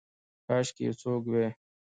کاشکي یو څوک وی